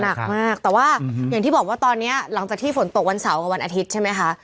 หนักมากแต่ว่าอย่างที่บอกว่าตอนนี้หลังจากที่ฝนตกวันเสาร์กับวันอาทิตย์ใช่ไหมคะ